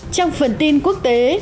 trong phần tin quốc tế